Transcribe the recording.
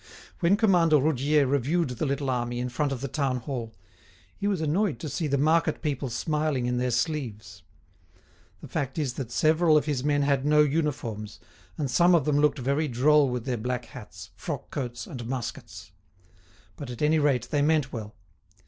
When Commander Roudier reviewed the little army in front of the town hall, he was annoyed to see the market people smiling in their sleeves. The fact is that several of his men had no uniforms, and some of them looked very droll with their black hats, frock coats, and muskets. But, at any rate, they meant well.